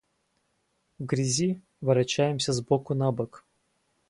В грязи ворочаемся с боку на бок.